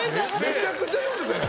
めちゃくちゃ読んでたよ